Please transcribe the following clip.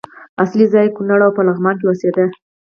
اصلي ځای یې کونړ او په لغمان کې اوسېده.